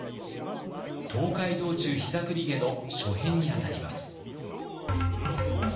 「東海道中膝栗毛」の初編にあたります。